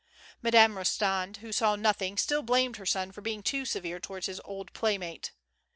Madame Rostand, who saw nothing, still blamed her son for being too severe towards his old playmate.